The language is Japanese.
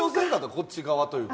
こっち側というか。